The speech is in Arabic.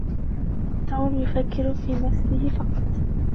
توم يفكر في نفسه فقط.